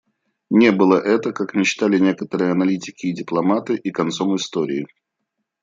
Не было это, как мечтали некоторые аналитики и дипломаты, и концом истории.